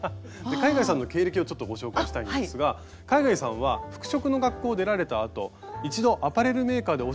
海外さんの経歴をちょっとご紹介したいんですが海外さんは服飾の学校を出られたあと一度アパレルメーカーでお仕事をされて独立されたんですね。